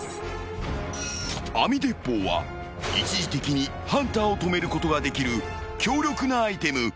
［網鉄砲は一時的にハンターを止めることができる強力なアイテム］